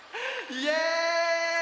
イエーイ！